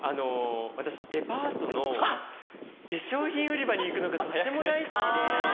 私デパートの化粧品売り場に行くのがとっても大好きで。